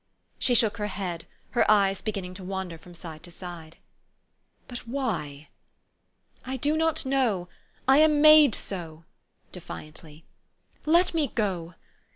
" She shook her head, her eyes beginning to wander from side to side. "But why?" "I do not know. I am made so," defiantly. "Let me go.